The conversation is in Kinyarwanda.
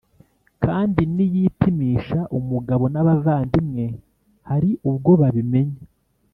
kandi niyipimisha umugabo n’abavandimwe hari ubwo babimenya.